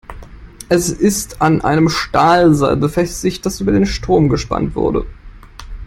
Es ist an einem Stahlseil befestigt, das über den Strom gespannt wurde.